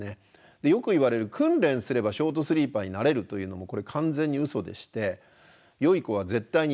よくいわれる訓練すればショートスリーパーになれるというのもこれ完全にウソでしてよい子は絶対にやめてほしいです。